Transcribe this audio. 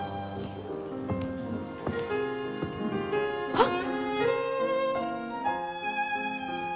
あっ！